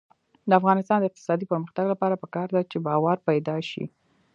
د افغانستان د اقتصادي پرمختګ لپاره پکار ده چې باور پیدا شي.